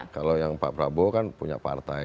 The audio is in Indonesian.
kalau yang pak prabowo kan punya partai